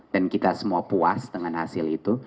kita semua puas dengan hasil itu